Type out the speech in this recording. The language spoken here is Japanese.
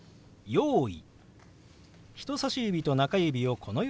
「用意」。